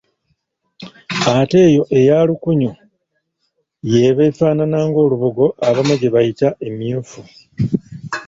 Ate yo eya lukunyu y'eba efaanana ng'olubugo abamu gye bayita emmyufu.